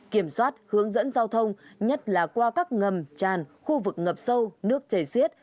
kiểm soát hướng dẫn giao thông nhất là qua các ngầm tràn khu vực ngập sâu nước chảy xiết